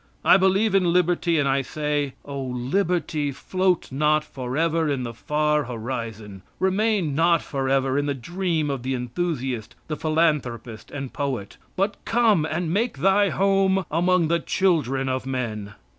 I believe in liberty, and I say, "Oh, liberty, float not forever in the far horizon remain not forever in the dream of the enthusiast, the philanthropist and poet; but come and make thy home among the children of men."